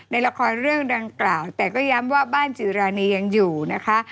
ในละครเรื่องดังกล่าวแต่ก็ย้ำว่าบ้านจิรานียังอยู่นะคะ